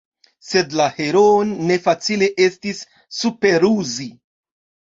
Sed la heroon ne facile estis superruzi.